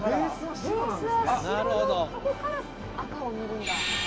白のとこから赤を塗るんだ。